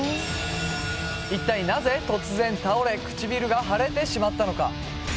一体なぜ突然倒れ唇が腫れてしまったのか？